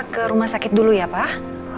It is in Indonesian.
ke rumah sakit dulu ya pak